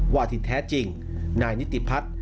ว่าที่แท้จริงนายนิติพัฒน์